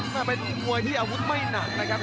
น่าเป็นที่อาวุธไม่หนักนะครับ